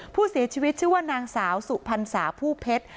ผู้เสียชีวิตชื่อว่านางสาวสุพรรษาผู้เพชร